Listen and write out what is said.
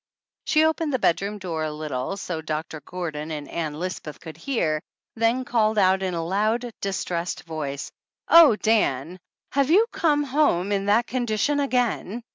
She opened the bedroom door a little, so Doc tor Gordon and Ann Lisbeth could hear, then called out in a loud, distressed voice: "Oh, Dan ! Have you come home in that con dition again?"